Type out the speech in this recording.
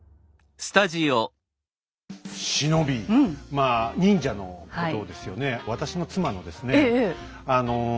まあ忍者のことですよね。